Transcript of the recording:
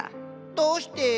どうして？